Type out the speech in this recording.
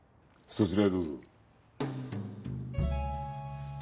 そちらへどうぞ。